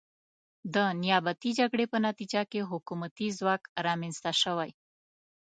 د نیابتي جګړې په نتیجه کې حکومتي واک رامنځته شوی.